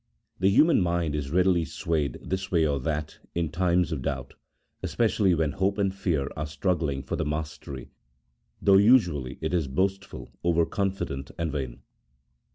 The human mind is readily swayed this way or that in times of doubt, especially when hope and fear are struggling for the mastery, though usually it is boastful, over confident, and vain.